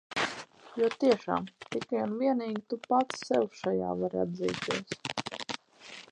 Jo tiešām – tikai un vienīgi tu pats sev šajā vari atzīties.